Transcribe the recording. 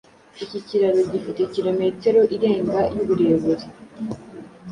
Iki kiraro gifite kilometero irenga y’uburebure